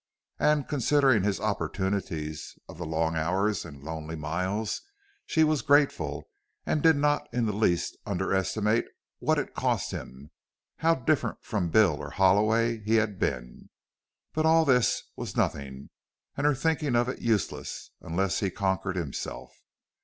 And, considering his opportunities of the long hours and lonely miles, she was grateful, and did not in the least underestimate what it cost him, how different from Bill or Halloway he had been. But all this was nothing, and her thinking of it useless, unless he conquered himself.